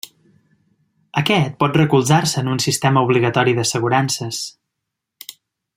Aquest pot recolzar-se en un sistema obligatori d'assegurances.